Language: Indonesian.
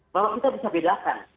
bahwa kita bisa bedakan